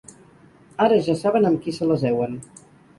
Ara ja saben amb qui se les heuen.